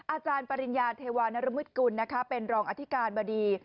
อาจารย์ปริญญาเทวานรมิตกุลเป็นรองอธิการบดี